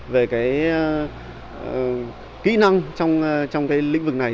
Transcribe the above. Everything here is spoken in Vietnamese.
về kỹ năng trong lĩnh vực này